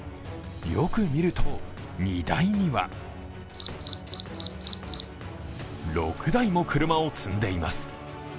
よく見ると、荷台には６台も車を積んでいます。